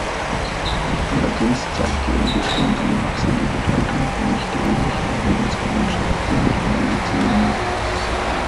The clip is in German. Allerdings zeigt die Entwicklung eine wachsende Bedeutung von nichtehelichen Lebensgemeinschaften und Alleinerziehenden.